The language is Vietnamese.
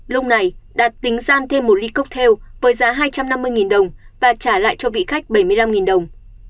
lúc này đạt tính gian thêm một ly copt tele với giá hai trăm năm mươi đồng và trả lại cho vị khách bảy mươi năm đồng